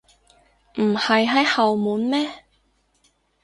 唔係喺後門咩？